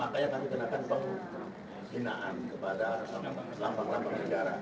makanya kami kenakan penghinaan kepada lampang lampang negara